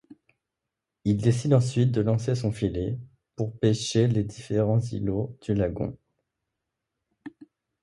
Il décide ensuite de lancer son filet pour pêcher les différents îlots du lagon.